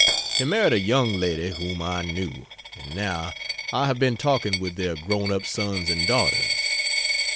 He married a young lady whom I knew. And now I have been talking with their grown up sons and daughters.